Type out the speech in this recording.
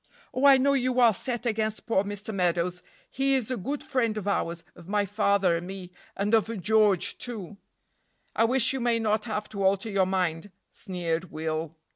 "Oh, I know you are set against poor Mr. Meadows; he is a good friend of ours, of my father, and me, and of George, too." "I wish you may not have to alter your mind," sneered Will.